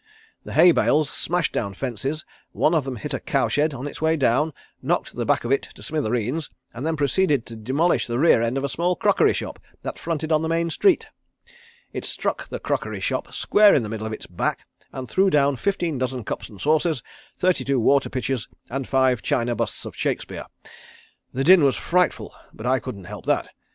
The hay bales smashed down fences; one of them hit a cow shed on its way down, knocked the back of it to smithereens and then proceeded to demolish the rear end of a small crockery shop that fronted on the main street. It struck the crockery shop square in the middle of its back and threw down fifteen dozen cups and saucers, thirty two water pitchers, and five china busts of Shakespeare. The din was frightful but I couldn't help that.